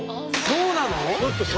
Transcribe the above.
そうなの？